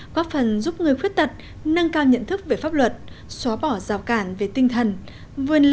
có phần giúp người khuất tật nâng cao nhận thức về pháp luật xóa bỏ rào cản về tinh thần vươn lên hòa nhập cộng đồng